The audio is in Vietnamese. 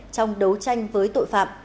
trong đấu tranh với tội phạm